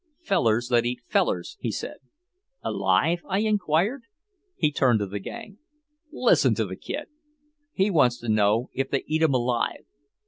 "Fellers that eat fellers," he said. "Alive?" I inquired. He turned to the gang: "Listen to the kid! He wants to know if they eat 'em alive!"